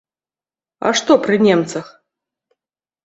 А што пры немцах?